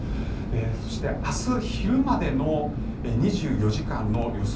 そして、明日昼までの２４時間の予想